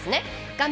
画面